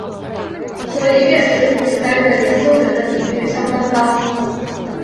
所以院士同时担任研究员的比率相当高。